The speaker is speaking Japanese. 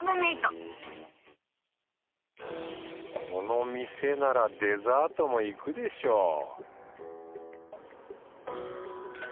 この店ならデザートもいくでしょ